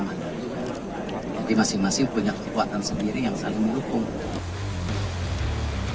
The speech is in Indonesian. jadi masing masing punya kekuatan sendiri yang saling melukung